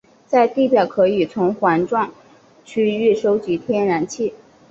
在地表可以从环状区域收集天然气。